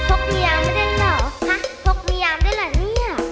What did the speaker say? พกมียามด้วยเหรอพกมียามด้วยเหรอเนี่ย